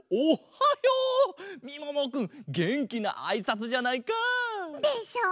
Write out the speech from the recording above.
みももくんげんきなあいさつじゃないか。でしょう？